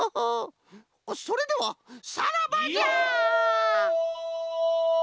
それではさらばじゃ！